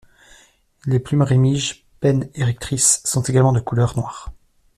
Les plumes rémiges, pennes et rectrices sont également de couleur noire.